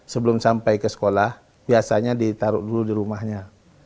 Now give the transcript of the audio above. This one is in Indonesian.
sebelum sampai ke sekolah biasanya ditaruh dulu di rumahnya